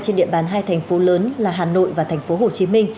trên địa bàn hai thành phố lớn là hà nội và tp hcm